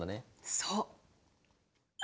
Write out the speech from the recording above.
そう！